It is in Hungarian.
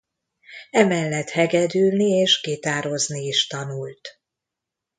Emellett hegedülni és gitározni is tanult.